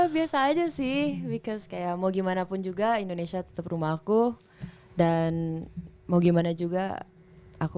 biasa aja sih bikin kayak mau gimana pun juga indonesia tetep rumahku dan mau gimana juga aku